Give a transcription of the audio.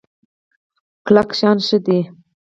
کلک شان ښه دی.